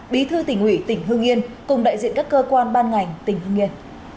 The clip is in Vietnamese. bí thư tỉnh hủy tỉnh hương yên cùng đại diện các cơ quan ban ngành tỉnh hương yên